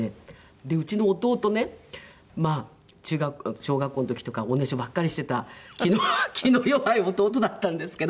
でうちの弟ね小学校の時とかおねしょばっかりしていた気の弱い弟だったんですけど。